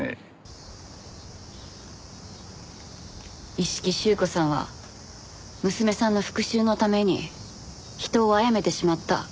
一色朱子さんは娘さんの復讐のために人をあやめてしまった。